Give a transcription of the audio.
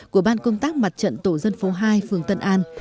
của ban công tác mặt trận tổ dân phố hai phường tân an